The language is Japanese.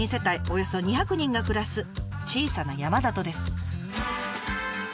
およそ２００人が暮らす小さな山里です。